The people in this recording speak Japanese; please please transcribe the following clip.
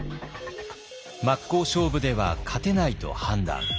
真っ向勝負では勝てないと判断。